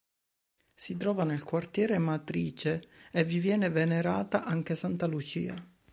Si trova nel quartiere "Matrice" e vi viene venerata anche Santa Lucia.